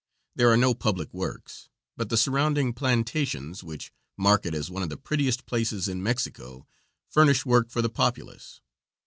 There are no public works, but the surrounding plantations, which mark it as one of the prettiest places in Mexico, furnish work for the populace.